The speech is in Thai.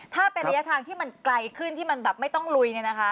ถ้าเป็นระยะทางที่มันไกลขึ้นที่มันแบบไม่ต้องลุยเนี่ยนะคะ